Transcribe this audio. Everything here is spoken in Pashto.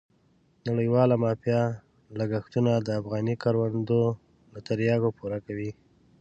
نړیواله مافیا لګښتونه د افغاني کروندو له تریاکو پوره کوي.